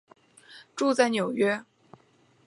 住在纽约。